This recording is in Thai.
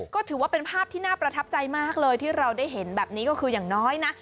ก็ถือว่าเป็นภาพที่น่าประทับใจมากเลยที่เราได้เห็นแบบนี้ก็คืออย่างน้อยนะ